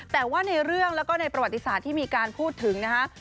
แต่ว่าในเรื่องแล้วก็ในประวัติศาสตร์ที่มีการพูดถึงนะฮะ